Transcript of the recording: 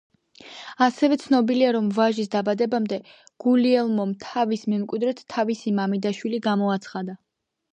ასევე ცნობილია, რომ ვაჟის დაბადებამდე გულიელმომ თავის მემკვიდრედ თავისი მამიდაშვილი გამოაცხადა.